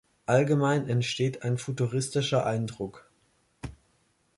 Allgemein entsteht ein futuristischer Eindruck.